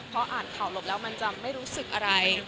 พออ่านข่าวหลบแล้วมันจะไม่รู้สึกอะไร